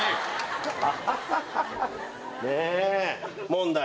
問題。